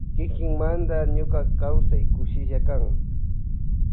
Kikimanda ñuka kausai kushillakan.